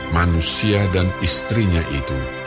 manusia dan istrinya itu